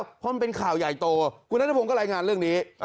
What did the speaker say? เพราะมันเป็นข่าวใหญ่โตคุณนัทพงศ์ก็รายงานเรื่องนี้